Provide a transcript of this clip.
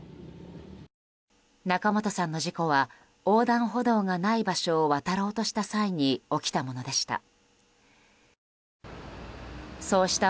仲本さんの事故は横断歩道がない場所を渡ろうとした際に起きたものでした。